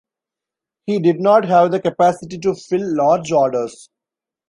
He did not have the capacity to fill large orders.